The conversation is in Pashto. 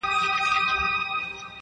زه چي کله دېوانه سوم فرزانه سوم,